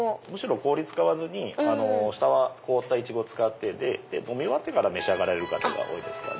氷使わずに下は凍ったイチゴ使って飲み終わってから召し上がられる方が多いですかね。